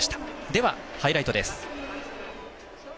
では、ハイライトです。